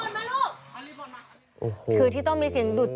อืมคือที่ต้องมีเสียงดูดตื๊ดสนิท